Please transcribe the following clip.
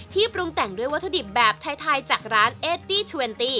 ที่ปรุงแต่งด้วยวัตถุดิบแบบไทยจากร้าน๘๐๒๐